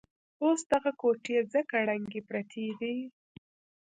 اوس دغه کوټې ځکه ړنګې پرتې دي.